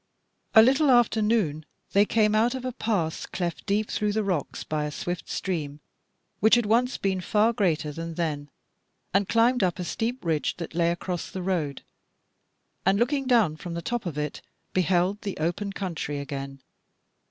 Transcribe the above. A little after noon they came out of a pass cleft deep through the rocks by a swift stream which had once been far greater than then, and climbed up a steep ridge that lay across the road, and looking down from the top of it, beheld the open country again.